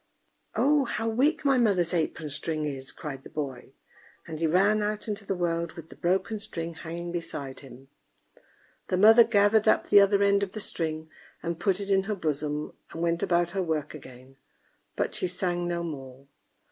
"Oh! how weak my mother's apron string is!" cried the boy; and he ran out into the world, with the broken string hanging beside him. The mother gathered up the other end of the string and put it in her bosom, and went about her work again; but she sang no more.